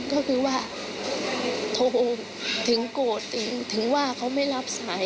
ก็คือว่าโทรถึงโกรธถึงว่าเขาไม่รับสาย